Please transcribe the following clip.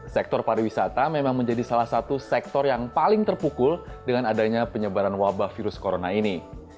sektor pariwisata memang menjadi salah satu sektor yang paling terpukul dengan adanya penyebaran wabah virus corona ini